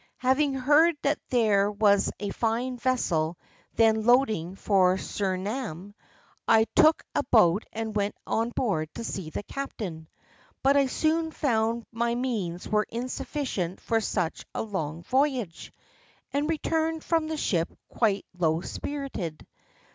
Having heard that there was a fine vessel then loading for Surinam, I took a boat and went on board to see the captain, but I soon found my means were insufficient for such a long voyage, and returned from the ship quite low spirited.